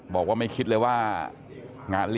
บอกว่าไม่คิดเลยว่า